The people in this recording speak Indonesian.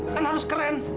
kan harus keren